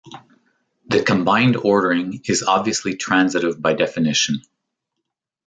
The combined ordering is obviously transitive by definition.